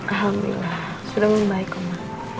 alhamdulillah sudah membaik ma